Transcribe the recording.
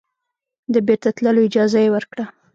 د بیرته تللو اجازه یې ورکړه.